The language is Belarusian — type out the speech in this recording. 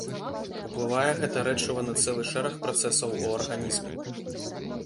Уплывае гэта рэчыва на цэлы шэраг працэсаў у арганізме.